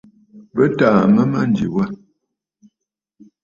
Bɨ tàà mə̂ a mânjì wâ.